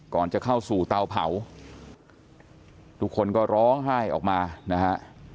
ก่อนจะเข้าสู่เตาเผาทุกคนก็ร้องไห้ออกมานะฮะ